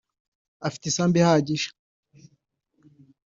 afite isambu ihagije